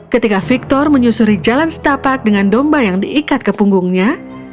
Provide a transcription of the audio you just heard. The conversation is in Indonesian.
ketika victor menyusuri jalan setapak dengan domba yang diikat ke punggungnya